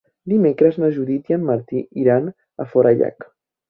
Dimecres na Judit i en Martí iran a Forallac.